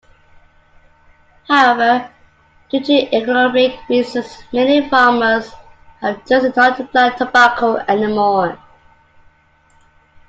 However, due to economic reasons many farmers have chosen not to plant tobacco anymore.